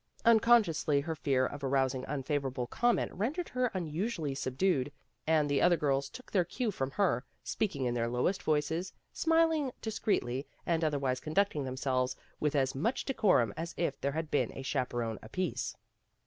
Unconsciously her fear of arousing unfavor able comment rendered her unusually subdued, and the other girls took their cue from her, speaking in their lowest voices, smiling dis creetly, and otherwise conducting themselves with as much decorum as if there had been a chaperone apiece.